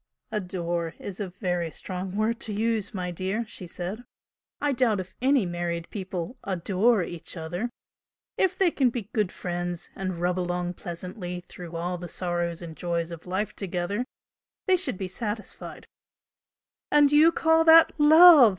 "'Adore' is a very strong word to use, my dear!" she said "I doubt if any married people 'adore' each other! If they can be good friends and rub along pleasantly through all the sorrows and joys of life together, they should be satisfied." "And you call that LOVE!"